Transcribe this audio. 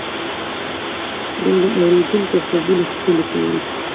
دا د اورېدونکو خوبونه ښکلي کول.